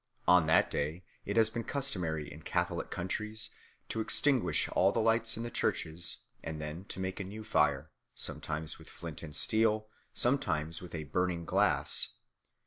On that day it has been customary in Catholic countries to extinguish all the lights in the churches, and then to make a new fire, sometimes with flint and steel, sometimes with a burning glass.